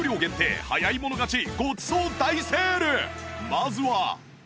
まずは